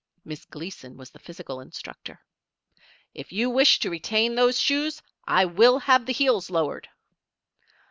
Miss Gleason was the physical instructor. "If you wish to retain those shoes I will have the heels lowered."